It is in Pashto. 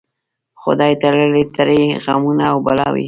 خدای تړلي ترې غمونه او بلاوي